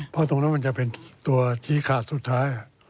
เพราะตรงนั้นมันจะเป็นตัวชี้ขาดสุดท้าย